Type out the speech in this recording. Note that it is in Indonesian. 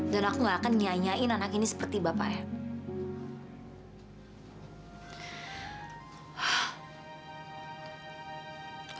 dan aku gak akan nyanyain anak ini seperti bapaknya